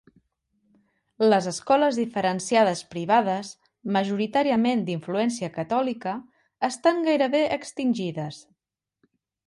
Les escoles diferenciades privades, majoritàriament d'influència catòlica, estan gairebé extingides.